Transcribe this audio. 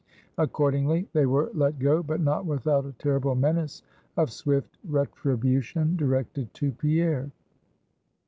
Accordingly they were let go; but not without a terrible menace of swift retribution directed to Pierre.